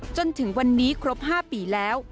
จนถึงวันนี้ครบ๕ปีแล้ว